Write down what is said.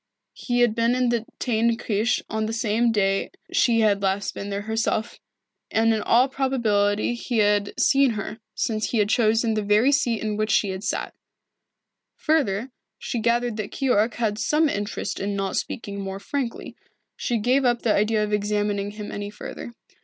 He had been in the Teyn Kirche on the day she had last been there herself, and in all probability he had seen her, since he had chosen the very seat in which she had sat. Further, she gathered that Keyork had some interest in not speaking more frankly. She gave up the idea of examining him any further.